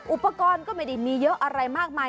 อุปกรณ์ก็ไม่ได้มีเยอะอะไรมากมาย